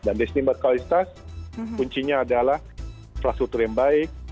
dan destinasi berkualitas kuncinya adalah prasutra yang baik